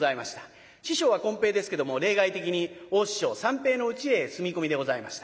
師匠はこん平ですけども例外的に大師匠三平のうちへ住み込みでございました。